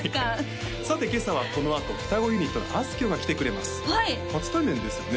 さて今朝はこのあと双子ユニットのあすきょうが来てくれます初対面ですよね？